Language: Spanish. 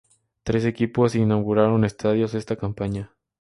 Tres equipos inauguraron estadios esta campaña.